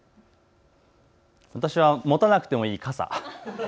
私は待たなくてもいい傘。